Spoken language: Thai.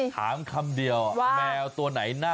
เหมียว